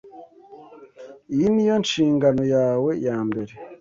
Iyi niyo nshingano yawe yambere.